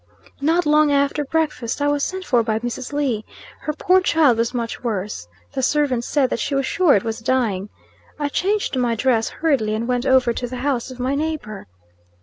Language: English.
Not long after breakfast, I was sent for by Mrs. Lee. Her poor child was much worse. The servant said that she was sure it was dying. I changed my dress hurriedly, and went over to the house of my neighbor.